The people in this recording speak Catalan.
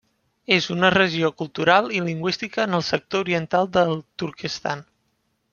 És una regió cultural i lingüística en el sector oriental del Turquestan.